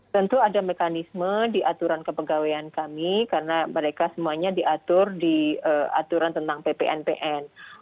tentu ada mekanisme di aturan kepegawaian kami karena mereka semuanya diatur di aturan tentang ppnpn